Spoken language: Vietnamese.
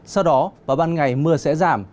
sau đó vào ban ngày mưa sẽ giảm